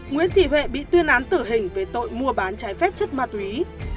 nguyễn thị huệ bị tuyên án tử hình về tội mua bán trái phép chất ma túy